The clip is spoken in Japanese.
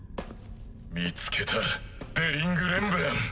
見つけたデリング・レンブラン。